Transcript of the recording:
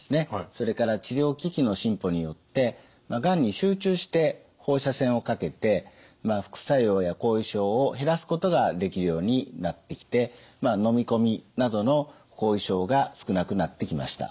それから治療機器の進歩によってがんに集中して放射線をかけて副作用や後遺症を減らすことができるようになってきて飲み込みなどの後遺症が少なくなってきました。